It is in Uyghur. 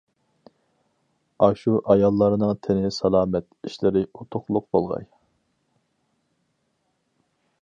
ئاشۇ ئاياللارنىڭ تىنى سالامەت ئىشلىرى ئۇتۇقلۇق بولغاي!